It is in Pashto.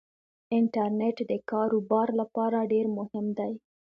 انټرنيټ دکار وبار لپاره ډیرمهم دی